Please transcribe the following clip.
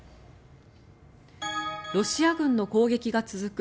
ロシア軍の攻撃が続く